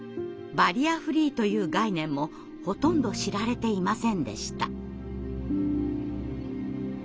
バリアフリーという概念もほとんど知られていませんでした。